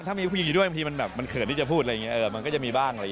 ถ้ามีผู้หญิงอยู่ด้วยบางทีเขินที่จะพูดว่าเออมันก็จะมีบ้าน